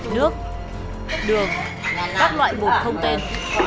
nước đường các loại bột không tên